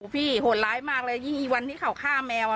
โหดร้ายมากเลยยิ่งอีกวันที่เขาฆ่าแมว